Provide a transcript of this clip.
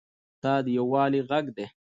دا د یووالي غږ دی.